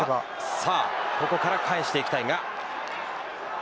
ここから返していきたいが。